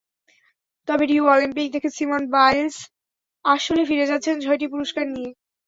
তবে Rio Olympic থেকে Simone Biles আসলে ফিরে যাচ্ছেন ছয়টি পুরস্কার নিয়ে।